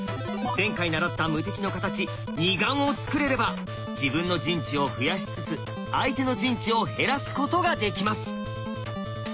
前回習った無敵の形「二眼」をつくれれば自分の陣地を増やしつつ相手の陣地を減らすことができます。